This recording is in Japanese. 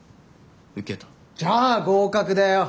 じゃあ合格だよ。